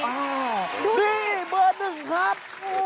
นี่เบอร์๑ครับ